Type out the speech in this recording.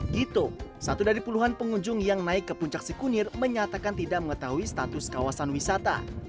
gito satu dari puluhan pengunjung yang naik ke puncak sikunir menyatakan tidak mengetahui status kawasan wisata